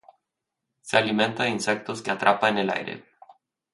Se alimenta de insectos que atrapa en el aire.